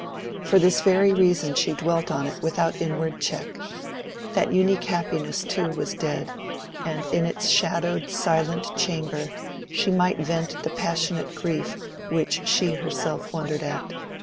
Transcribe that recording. For this very reason she dwelt on it without inward check. That unique happiness too was dead, and in its shadowed silent chamber she might vent the passionate grief which she herself wondered at.